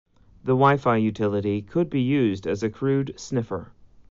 The Wifi utility could be used as a crude sniffer.